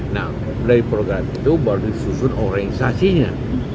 nah dari program itu baru disusun organisasinya